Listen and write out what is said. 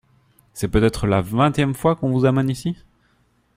C’est peut-être la vingtième fois qu’on vous amène ici ?